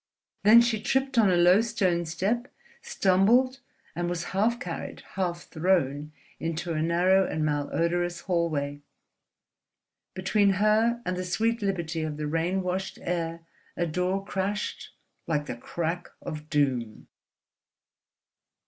Then she tripped on a low stone step, stumbled, and was half carried, half thrown into a narrow and malodorous hallway. Between her and the sweet liberty of the rain washed air a door crashed like the crack of doom.